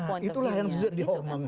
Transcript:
nah itulah yang dihormat